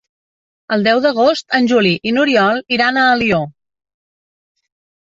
El deu d'agost en Juli i n'Oriol iran a Alió.